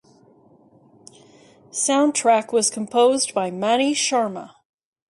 Soundtrack was composed by Mani Sharma.